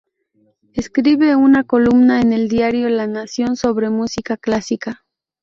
Escribe una columna en el diario La Nación, sobre música clásica.